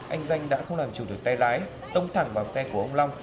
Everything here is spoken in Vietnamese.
anh danh đã không làm chủ được tay lái tông thẳng vào xe của ông long